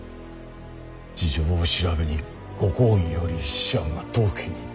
事情を調べにご公儀より使者が当家に。